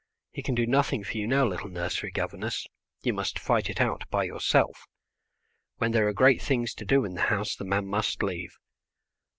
He can do nothing for you now, little nursery governess, you must fight it out by yourself; when there are great things to do in the house the man must leave.